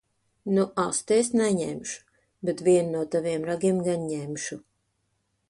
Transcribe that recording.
Nu asti es neņemšu. Bet vienu no taviem ragiem gan ņemšu.